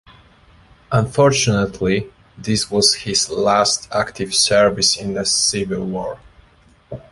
Unfortunately, this was his last active service in the Civil War.